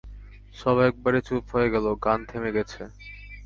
সব একেবারে চুপ হয়ে গেল, গান থেমে গেছে।